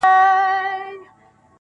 گلي نن بيا راته راياده سولې.